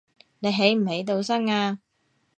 你起唔起到身呀